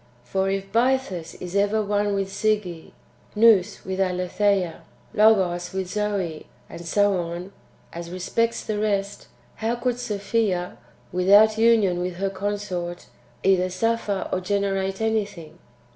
For if Bythus is ever one with Sige, Nous with Aletheia, Logos with Zoe, and so on, as respects the rest, how could Sophia, without union with her consort, either suffer or generate anything